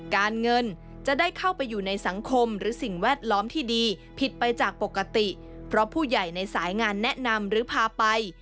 การเงินจะได้เข้าไปอยู่ในสังคมหรือสิ่งแวดล้อมที่ดีผิดไปจากปกติเพราะผู้ใหญ่ในสายงานแนะนำหรือพาไป